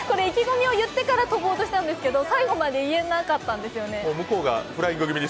意気込みを言ってから飛びたかったんですけど最後まで言えなかったんですよね。